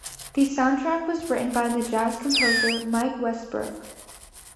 The soundtrack was written by the jazz composer Mike Westbrook.